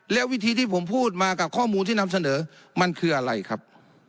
แล้ววิธีที่ผมพูดมากับข้อมูลที่นำเสนอมันคืออะไรครับ